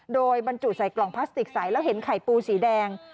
โดยบรรจุใส่กล่องพลาสติกใสแล้วเห็นไข่ปูสีแดง